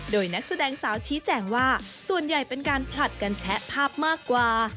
โดยนักแสดงสาวชี้แจงว่าส่วนใหญ่เป็นการผลัดกันแชะภาพมากกว่า